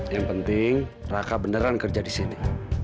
yang penting raka beneran kerja disini